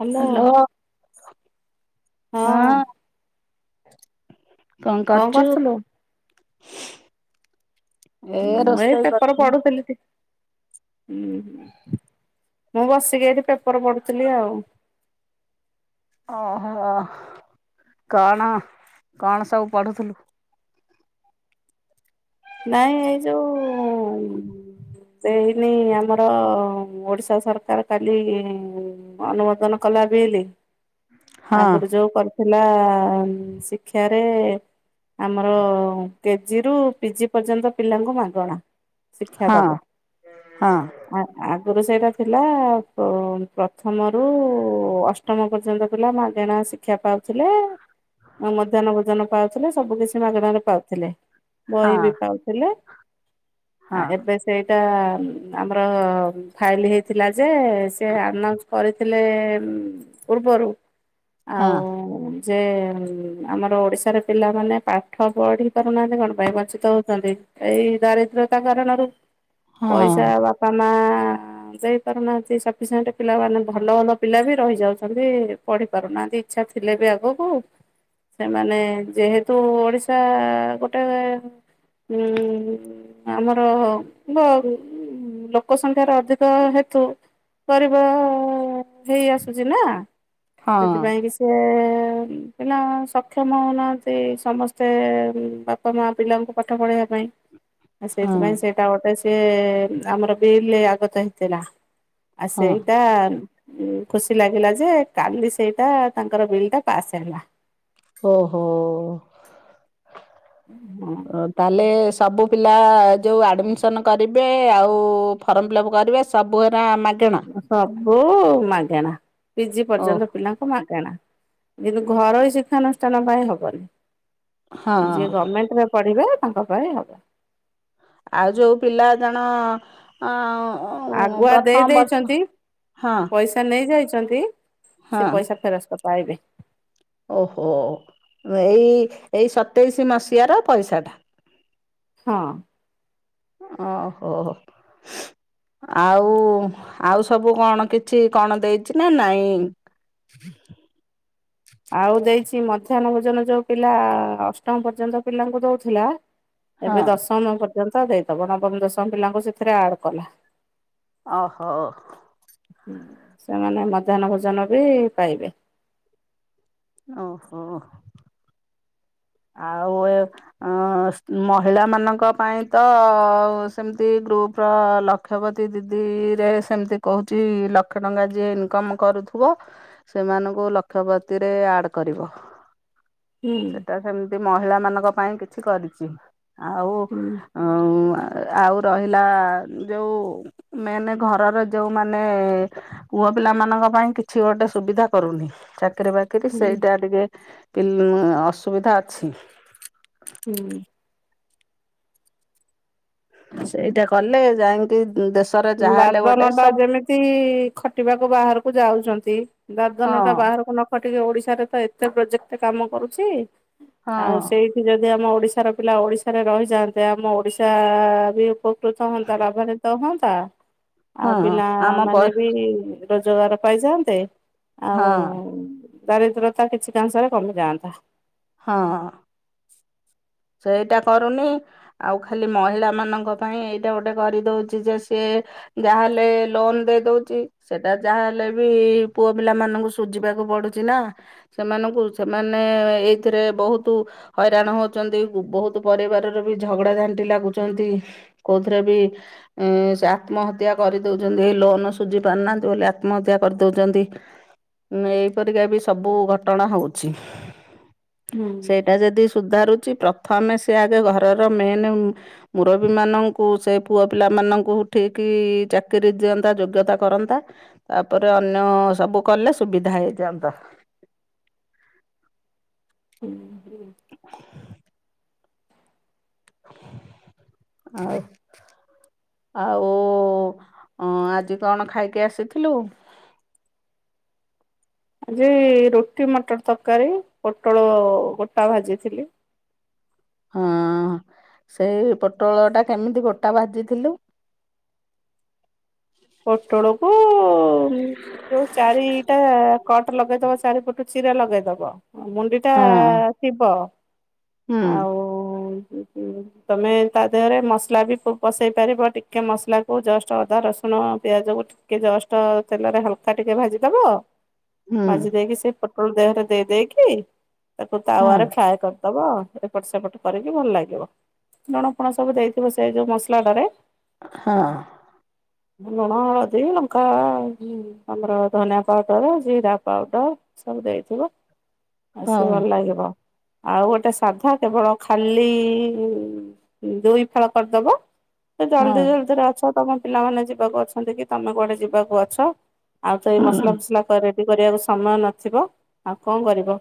Hello hello. ହଁ କଣ କରୁଚୁ? [inaudible] ମୁଁ ଏଇ ପେପର୍ ପଢୁଥିଲି ଟି ହୁଁ ହୁଁ, ମୁଁ ବସିକି ଏଠି ପେପର ପଢୁଥିଲି ଆଉ। ଓହୋ କଣ କଣ ସବୁ ପଢୁଥୁଲୁ? ନାଇଁ ଏଇ ଯୋଉଁ ସେଇନି ଆମର ଓଡ଼ିଶା ସରକାର କାଲିଇଁ ଅନୁମୋଦନ କଲା ବିଲ୍ଲ। ହଁ ଆଗରୁ ଯୋଉ କରିଥିଲା ଶିକ୍ଷା ରେ ଆମର କେଜିରୁ ପିଜି ପର୍ଯ୍ୟନ୍ତ ପିଲାଙ୍କୁ ମାଗଣା ଶିକ୍ଷା ହଁ ଦବ। ହଁ। ଆ ଆଗରୁ ସେଇଟା ଥିଲା ଆ ପ୍ରଥମରୁ ଅଷ୍ଟ ଅଷ୍ଟମ ପର୍ଯ୍ୟନ୍ତ ପିଲା ମାଗେଣା ଶିକ୍ଷା ପାଉଥିଲେ ମଧ୍ୟାହ୍ନ ଭୋଜନ ପାଉଥିଲେ ସବୁ କିଛି ମାଗଣାରେ ପାଉଥିଲେ ହଁ ବହିବି ପାଉଥିଲେ ଆ ହଁ ଏବେ ସେଇଟା ଆ ଆମର-ଅ ଫାଇଲ୍ ହେଇଥିଲା ଯେ, ସେ ଆନଉନ୍ସ କରିଥିଲେ-ଏ ପୂର୍ବରୁ ହଁ ଆଉ ଉଃ ଯେ ଆମର ଓଡିଶାରେ ପିଲାମାନେ ପା ପାଠ ପଢି ପାରୁନାହାନ୍ତି କଣ ପାଇଁ ବଞ୍ଚିତ ହଉଚନ୍ତି ଏଇ ଦାରିଦ୍ର୍ୟତା କାରଣରୁ। ହଁ ପଇସା ବାପା ମା ଆ ଦେଇ ପାରୁନାହାନ୍ତି ସଫିସିଣ୍ଟ ପିଲା ମାନେ ଭଲ ଭଲ ପିଲାବି ରହି ଯାଉଚନ୍ତି ପଢି ପାରୁନାହାନ୍ତି ଇଚ୍ଛା ଥିଲେବି ଆଗକୁ ସେମାନେ ଯେହେତୁ ଉଃ ଓଡିଶା [unintelligible] ଟ ଉଃ ଆମର। [unintelligible] ହୁଁ ଲୋକ ସଂଖ୍ୟାର ଅଧିକ ହେତୁ ପରିବା-ଅ ହେଇ ଆସୁଚିନା ସେଥିପାଇଁ କି ସେ ଏ ପିଲା ସକ୍ଷମ ହଉନାହାନ୍ତି ସମସ୍ତେ ଏ ବା ବାପା ମା ପିଲାଙ୍କୁ ପାଠ ପଢ଼େଇବା ପାଇଁ ଆଉ ହଁ। ସେଇଥିପାଇଁ ସେ ସେଟା ଗୋଟେ ସେ ଆମର ବିଲ୍ ଆଗତ ହେଇଥିଲା ଆଉ ହଁ ହଁ ସେଇଟା ଉମ ଉ ଖୁସି ଲାଗିଲାଯେ କାଲି ସେଇଟା ତାଙ୍କର ବିଲ୍ ଟା ପାସ୍ ହେଲା। ଓହୋ। ହୁଁ [inaudible] ତାହେଲେ ସବୁ ପିଲା ଯେଉ ଆଡ଼ମିସନ୍ କରିବେ ଆଉ ଫର୍ମ ଫିଲ୍ଅପ୍ କରିବେ ଏସବୁଏରା ମାଗଣା ସବୁ-ଉ ମାଗେଣା ପିଜି ଓ ପର୍ଯ୍ୟନ୍ତ ପିଲାଙ୍କୁ ମାଗଣା। କିନ୍ତୁ ଘରୋଇ ଶିକ୍ଷାନୁଷ୍ଠାନ ପାଇଁ ହଁ ହବନି ଯିଏ ଗମେଣ୍ଟରେ ପଢିବେ, ତାଙ୍କ ପାଇଁ ହବ। ଆଉ, ଯଉ ପିଲା ଜଣ-ଅ-ଅଁ ଆଗୁଆ ଦେଇ ଦେଇଛନ୍ତି, ହଁ ପଇସା ସେ ନେଇ ଯାଇଛନ୍ତି ହଁ ସେ ପଇସା ଫେରସ୍ତ ପାଇବେ। ଓହୋ ଏଇ, ଏଇ ସତେଇଶୀ ମସିହାର ପଇସାଟା। ହଁ। ଓହୋ। ଆଉ-ଆଉ ସବୁ କଣ କିଛି କଣ ଦେଇଚି ନା ନାଇଁ? ଆଉ ଦେଇଚି ମଧ୍ୟାହ୍ନ ଭୋଜନ ଯୋଉ ପିଲା ଅଷ୍ଟମ ପର୍ଯ୍ୟନ୍ତ ପିଲାଙ୍କୁ ଦଉଥିଲା ଏବେ ହଁ। ଦଶମ ପର୍ଯ୍ୟନ୍ତ ଦେଇଦବ, ନବମ ଦଶମ ପିଲାଙ୍କୁ ସେଥିରେ ଆଡ୍ କଲା। ଅହୋ। ସେମାନେ ମଧ୍ୟାହ୍ନ ଭୋଜନ ବି ପାଇବେ। ଓହୋ। ଆଉ ଏ ଅଁ ମହିଳାମାନଙ୍କ ପାଇଁ ତ ଆଉ ସେମ୍ତି ଗ୍ରୁପର ଲ କ୍ଷପତି ଦିଦିରେ ସେମ୍ତି କହୁଚି ଲକ୍ଷେ ଟଙ୍କା ଯିଏ ଇନ୍କମ୍ କରୁଥିବ ସେମାନଙ୍କୁ ଲକ୍ଷପତିରେ ଆଡ୍ କରିବ। ହୁଁ। ତ ସେମ୍ତି ମହିଳାମାନଙ୍କ ପାଇଁ କିଛି କରିଚି, ଆଉ ହୁଁ ଉଁ ଆଉ ରହିଲା ଯୋଉ ମେନେ ଘରର ଯୋଉମାନେ ପୁଅ ପିଲାମାନଙ୍କ ପାଇଁ କିଛି ଗୋଟେ ସୁବିଧା କରୁନି, ଚାକିରି ବା କିରି ସେଇଟା ଟିକେ [unintelligible] ଅସୁବିଧା ଅଛି। ହୁଁ। ସେଇଟା କଲେ ଯାଇଙ୍କି ଦେଶ୍ ଦାଦନ ଟା ଯେମି ତି ଖଟିବାକୁ ବାହାରକୁ ଯାଉଚନ୍ତି, ଦାଦନ ହଁ ଟା ବାହାରକୁ ନ ଖଟିକି ଓଡ଼ିଶାରେ ତ ଏତେ ପ୍ରୋଜେକ୍ଟ କାମ କରୁଚି, ହଁ ଆଉ ସେଇ ଯଦି ଆମ ଓଡ଼ିଶାର ପିଲା ଓଡ଼ିଶାରେ ରହିଯାଆନ୍ତେ, ଆମ ଓଡ଼ିଶା ବି ଉପ କୃତ ହୁଅନ୍ତା [unintelligible] ତ ହୁଅନ୍ତା ଆଉ ହଁ ଆମ ପ ପିଲାମାନେ ବି ରୋଜଗାର ପାଇଯାଆନ୍ତେ, ଆଉ ହଁ ଦାରିଦ୍ର୍ୟତା କିଛି କାଂଶରେ କମିଯାଆନ୍ତା। ହଁ। ସେଇଟା କରୁନି ଆଉ ଖାଲି ମହିଳା ମାନଙ୍କ ପାଇଁ ଏଇଟା ଗୋଟେ କରିଦଉଚି ଯେ ସିଏ ଯାହାହେଲେ ଲୋନ୍ ଦେଇଦଉଚି ସେଟା ଯାହା ହେଲେ ବି ପୁଅ ପିଲାମାନଙ୍କୁ ସୁଝିବାକୁ ପଡ଼ୁ ଚିନା ସେମାନଙ୍କୁ ସେମାନେ ଏଇଥିରେ ବହୁତୁ ହଇରାଣ ହଉ ଚନ୍ତି, ବହୁତ୍ ପରିବାରରେ ବି ଝଗଡ଼ା ଝାଣ୍ଟି ଲାଗୁଚନ୍ତି କୋଉଥିରେ ବି ଏଁ ସେ ଆତ୍ମହତ୍ୟା କରିଦଉଚନ୍ତି, ଏ ଲୋନ ସୁଝି ପାରୁନାହାନ୍ତି ବୋଲି ଆତ୍ମହତ୍ୟା କରିଦଉଚନ୍ତି। ମାନେ ଏହିପରିକା ବି ସବୁ ଘଟଣା ହୋଉଛି। ହୁଁ ସେଇଟା ଯଦି ସୁଧାରୁଚି ପ୍ରଥମେ ସେ ଆଗେ ଘରର ମେନ୍ ଉଁ ମୁରବୀ ମାନଙ୍କୁ ସେ ପୁଅ ପିଲାମାନଙ୍କୁ ଠିକି ଚାକିରି ଦିଅନ୍ତା ଯୋଗ୍ୟତା କରନ୍ତା। ତାପରେ ଅନ୍ୟ ସବୁ କଲେ ସୁବିଧା ହେଇଯାଆନ୍ତା। ହୁଁ। ଆଉ ଆଉ ଉଁ ଆଜି କଣ ଖାଇକି ଆସିଥିଲୁ? ଆଜି ରୁଟି ମଟର ତରକାରୀ ପୋଟଳ ଗୋଟା ଭାଜିଥିଲି। ହଁ, ସେଇ ପୋଟଳ ଟା କେମିତି ଗୋଟା ଭାଜିଥିଲୁ? ପୋଟଳକୁ ଯୋଉ ଚାରିଟା କଟ ଲଗେଇଦବ ଚାରିପଟୁ ଚିରା ଲଗେଇଦବ ମୁଣ୍ଡି ଟା ହଁ ଥିବ ହୁଁ ଆଉ ହଁ ତମେ ତା ଦେହରେ ମସଲା ବି ପସେଇ ପାରିବ ଟିକେ ମସଲା କୁ ଜଷ୍ଟ ଅଦା ରସୁ ଣ ପିଆଜ କୁ ଟିକେ ଜଷ୍ଟ ତେଲରେ ହାଲକା ଟିକେ ଭାଜିଦବ। ହୁଁ ମାଜି ଦେଇକି ସେ ପୋଟଳ ଦେହରେ ଦେଇ ଦେଇକି ତାକୁ ହଁ ତାୱାରେ ଫ୍ରାଏ କରିଦ ଦବ ଏପଟ ସେପଟ କରିକି ଭଲ ଲାଗିବ ଲୁଣ ଫୁଣ ସବୁ ଦେଇଥିବ ସେ ଯୋଉ ମସଲାଟାରେ ହଁ। ଲୁଣ ହଳଦୀ ଲଙ୍କା ଆମର ଧନିଆ ପାଉଡ଼ର ଜିରା ପାଉଡ଼ର ସବୁ ଦେଇଥିବ ଆ ହଁ ସେ ଭଲ ଲାଗିବ। ଆଉ ଗୋଟେ ସାଧା କେବଳ ଖାଲି ଦୁଇ ଫାଳ କରିଦେବ। ସେ ହଁ ଜଲଦି ଜଲଦିରେ ଅଛ ତମ ପିଲାମାନେ ଯିବାକୁ ଅଛନ୍ତି କି ତମେ କୁଆଡ଼େ ଯିବାକୁ ଅଛ ଆଉ ତ ଏଇ ହଁ ମସଲା ଫସଲା କ ରେଡ଼ି କରିବାକୁ ସମୟ ନଥିବ ଆଉ କଣ କରିବ?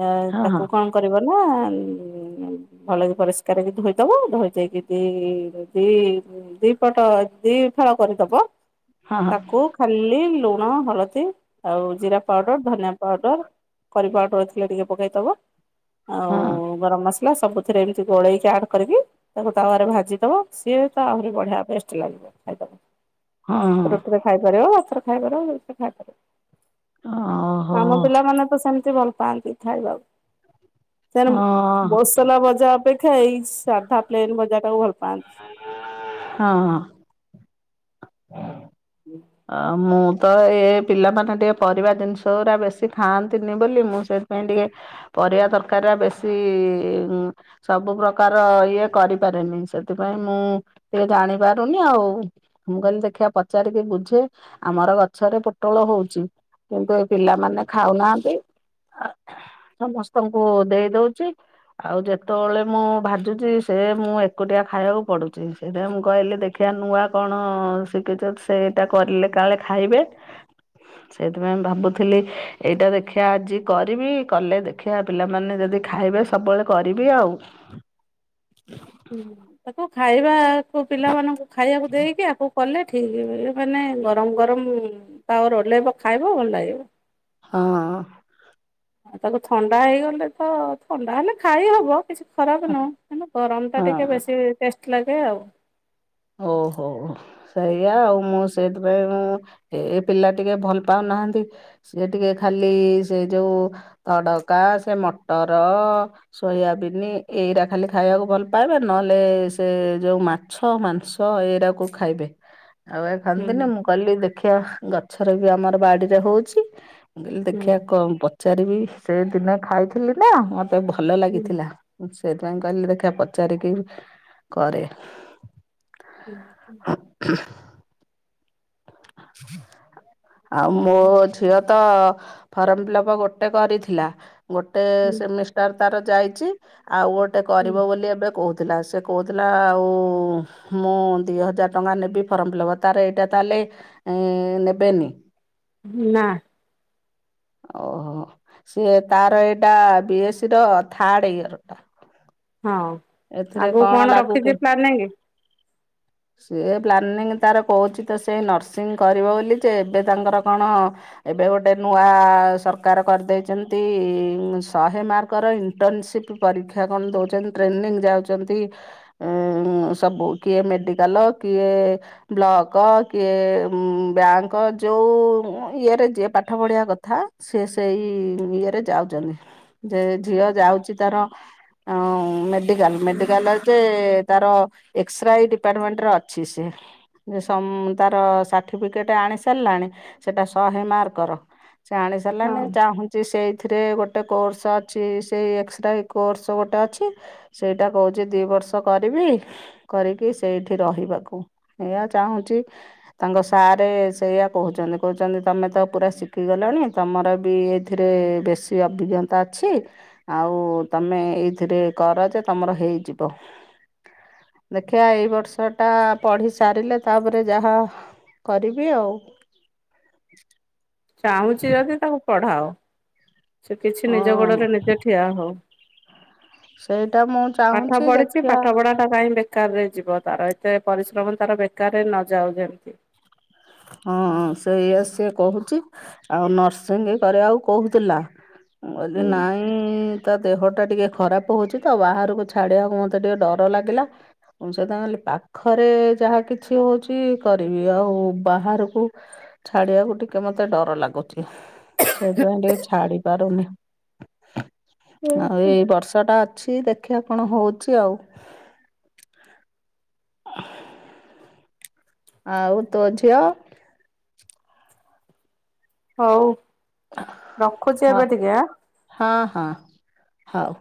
ଇଆ ହଁ ହଁ ତାକୁ କଣ କରିବ ନା ଭଲକି ପରିଷ୍କାର ହେକି ଧୋଇଦବ ଧୋଇ ଦେଇକି ଦି ଦି ଦିପଟ ଦିଫାଳ କରିଦବ ହଁ ତାକୁ ଖାଲି ଲୁଣ ହଳଦୀ ଆଉ ଜିରା ପାଉଡ଼ର ଧନିଆ ପାଉଡ଼ର କରି ପାଉଡ଼ର ଥିଲେ ଟିକେ ପକେଇଦବ ଆଉ ହଁ ଗରମ ମସଲା ସବୁଥିରେ ଏମିତି ଗୋଳେଇକି ଆଡ୍ କରିକି ତାକୁ ତାୱରେ ଭାଜି ଦବ ସିଏ ତ ଆହୁରି ବଢିଆ ପେଷ୍ଟ ଲାଗିବ। ଖାଇ ହଁ ରୁଟିରେ ଖାଇପାରିବ ଭାତରେ ଖାଇପାରିବ ଯୋଉଥିରେ ଖାଇପାରିବ। ଓହୋ ଆମ ପିଲାମାନେ ତ ସେମତି ଭଲ ପାଆନ୍ତି ଖାଇବାକୁ ସେ ହଁ ବସଲା ଭଜା ଅପେକ୍ଷା ଏଇ ସାଧା ପ୍ଲେନ ଭଜା ଟାକୁ ଭଲ ପାଆନ୍ତି। ହଁ ହୁଁ ଅ ମୁଁ ତ ଏ ପିଲାମାନେ ଟିକେ ପରିବା ଜିନିଷ ଗା ବେଶୀ ଖାଆନ୍ତିନି ବୋଲି ମୁଁ ସେ ପାଇଁ ଟିକେ ପରିବା ଦରକାର ଟ ବେଶୀ ସବୁ ପ୍ରକାର ଇଏ କରିପାରେନି ସେଥିପାଇଁ ମୁଁ ଟିକେ ଜାଣି ପାରୁନି ଆଉ ମୁଁ କହିଲି ଦେଖିବା ପଚାରିକି ବୁଝି ଆମର ଗଛରେ ପୋଟଳ ହଉଛି କିନ୍ତୁ ଏ ପିଲାମାନେ ଖାଉନାହାନ୍ତି। ସମସ୍ତଙ୍କୁ ଦେଇ ଦଉଛି ଆଉ ଯେତେବେଳେ ମୁଁ ଭାଜୁଛି ସେ ମୁଁ ଏକୁଟିଆ ଖାଇବାକୁ ପଡୁଛି। ସେବେ ମୁଁ କହିଲି ଦେଖିବା ନୂଆ କଣ ଶିଖିଛ ସେ କରିଲେ କାଳେ ଖାଇବେ ସେଇଥିପାଇଁ ଭାବୁଥିଲି ଏଇଟା ଦେଖିବା ଆଜି କରିବି କଲେ ଦେଖିବା ପିଲାମାନେ ଯଦି ଖାଇବେ ସବୁବେଳେ କରିବି ଆଉ। ହୁଁ ତାକୁ ଖାଇବାକୁ ପିଲାମାନଙ୍କୁ ଖାଇବାକୁ ଦେଇକି ଆକୁ କଲେ ଠିକ୍ ମାନେ ଗରମ ଗରମ ତାୱର ଓହ୍ଲେଇବ ଖାଇବ ଭଲ ଲାଗିବ। ହଁ ଆଉ ତାକୁ ଥଣ୍ଡା ହେଇଗଲେ ତ ଥଣ୍ଡା ହେଲେ ଖାଇ ହବ କିଛି ଖରାପ ନୁହଁ କ ଗରମ ଟା ଟିକେ ହଁ। ବେଶୀ ଟେଷ୍ଟ ଲାଗେ ଆଉ। ଓହୋ ସେଇଆ ଆଉ ମୁଁ ସେଇଥିପାଇଁ ଏ ପିଲା ଟିକେ ଭଲ ପାଉନାହାନ୍ତି ସିଏ ଟିକେ ଖାଲି ସେ ଯୋଉ ତଡକା ସେ ମଟର ସୋୟାବିନ୍ ଏଇଟା ଖାଲି ଖାଇବାକୁ ଭଲ ପାଇବା ନହେଲେ ସେ ଯୋଉ ମାଛ ମ ସ ଏଇଟାକୁ ଖାଇବେ। ଆଉ ଏ ହୁଁ ଖାନ୍ତିନି ମୁଁ କଲି ଦେଖିବା ଗଛରେ ବି ଆମର ବାଡିରେ ହଉଛି। ମୁଁ କହିଲି ହୁଁ ଦେଖିବା ଚାରିବି ସେ ଦିନେ ଖାଇଥିଲି ନା ମତେ ଭଲ ଲାଗିଥିଲା। ହୁଁ ମୁଁ ସେଇଥିପାଇଁ କହିଲି ଦେଖିଆ ପଚାରିକି କରେ। ହୁଁ। ହ ଆଉ ମୋ ହଁ ଝିଅ ତ ଫର୍ମ ଫିଲ୍ପ ଗୋଟେ କରିଥିଲା। ଗୋଟେ ହୁଁ ସେମି ତାର ତାର ଯାଇଛି ଆଉ ଗୋଟେ ହୁଁ କରିବ ବୋଲି ଏବେ କହୁ ଥିଲା। ସେ କହୁଥିଲା ଆଉ ମୁଁ ଦୁଇ ହଜାର ଟଙ୍କା ନେବି ଫର୍ମ ଫିଲ୍ଅପ୍। ତାର ଏଇଟା ତା ହେଲେ ନେବେନି? ନା। ଓହୋ। ସିଏ ତାର ଏଇଟା ବି ଏସ୍ ସ ର ଥାର୍ଡ ଇୟର ଟା। ହଁ ଆଗକୁ କଣ ରଖିଛି ପ୍ଲାନିଂ? ସେ ପ୍ଲାନିଂ ତାର କହୁଛି ତ ସେଇ ନର୍ସିଂ କରିବ ବୋଲି ଯେ ଏବେ ତାଙ୍କର କଣ ଏବେ ଗୋଟେ ନୂଆ ସରକାର କରିଦେଇଛନ୍ତି, ଶହେ ମାର୍କର ଇଣ୍ଟର୍ନସିପ୍ ପରୀକ୍ଷା କଣ ଦଉଛନ୍ତି। ଟ୍ରେନିଂ ଯାଉଛନ୍ତି। ଉ ସବୁ। କିଏ ମେଡିକାଲ କିଏ ବ୍ଲକ କିଏ ବ୍ୟାଙ୍କ ଯୋଉ ଇଏରେ ଯିଏ ପାଠ ପଢିବା କଥା ସେ ସେଇ ଇଏରେ ଯାଉଛନ୍ତି। ଯେ ଝିଅ ଯାଉଛି ତାର ଆ ମେ ମେକାଲ ମେଡିକାଲ ଯେ ତାର ଏକ୍ସରୋଇ ଡିପାର୍ଟମେଣ୍ଟରେ ଅଛି ସେ। ଯେ ସମ୍ ତାର ସାର୍ଟିଫିକେଟ୍ ଆଣି ସାରିଲାଣି ସେଟା ଶହେ ମାର୍କର। ସେ ଆଣି ସାରିଲାଣି। ହଁ ଚାହୁଁ ସେଇଥିରେ ଗୋଟେ କୋର୍ସ ଅଛି ସେଇ ଏକ୍ସରାଇ କୋର୍ସ ଗୋଟେ ଅଛି। ସେଇଟା କହୁଛି ଦି ବର୍ଷ କରିବି। କରିକି ସେଇଠି ରହିବାକୁ ଏଇଆ ଚାହୁଁଛି ତାଙ୍କ ସାର୍ ସେଇଆ କହୁଛନ୍ତି, କହୁଛନ୍ତି ତମେ ତ ପୁରା ଶିଖିଗଲଣି ତମର ବି ଏଥିରେ ବେଶୀ ଅଭିଜ୍ଞତା ଅଛି ଆଉ ତମେ ଏଇଥିରେ କର ଯେ ତମର ହେଇଯିବ। ଦେଖିବା ଏଇ ବର୍ଷଟା ପଢ଼ି ସାରିଲେ ତାପରେ ଯାହା କରିବି ଆଉ। ଚାହୁଁଛି ଯଦି ତାକୁ ପଢାଅ ସେ କିଛି ନିଜ ହଁ ଗୋଡରେ ନିଜେ ଠିଆ ହଉ। ସେଇଟା ମୁଁ ପାଠ ଚାହୁଁଛି ପଢିଛି ଦେଖିବା ପାଠ ପଢା କାଇହିଁ ବେକାର ରେ ଯିବ, ତାର ଏତେ ପରିଶ୍ରମ ତାର ବେକାରରେ ନଯାଉ ଯେମିତି। ହଁ ସେଇଆ ସିଏ କହୁଛି ଆଉ ନର୍ସିଂ କରିବାକୁ କହୁଥିଲା। ମୁ କହିଲି ନାଇଁ ଉୁଁ ତା ଦେହ ଟା ଟିକେ ଖରାପ ହଉଛି ତ, ବାହାରକୁ ଛାଡିବାକୁ ମତେ ଟିକେ ଡର ଲାଗିଲା। ମୁଁ ସେଇଥି ପାଇଁ କହିଲି ପାଖରେ ଯାହା କିଛି ହଉଛି କରିବି। ଆଉ ବାହାରକୁ ଛାଡ଼ିବାକୁ ଟିକେ ମୋତେ ଡର ଲାଗୁଛି। ସେଇଥିପାଇଁ ଟିକେ ଛାଡି ପାରୁନି। ହୁଁ। ଆଉ ଏଇ ବର୍ଷଟା ଅଛି ଦେଖିବା କଣ ହଉଛି ଆଉ। ଆଉ ତୋ ଝିଅ? ହଉ ରଖୁଚି ହଁ ଏବେ ଟିକେ ଆଁ। ହଁ ହଁ ହୋଉ।